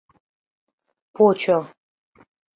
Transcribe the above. Почо.